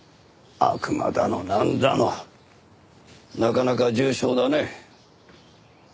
悪魔だのなんだのなかなか重症だね。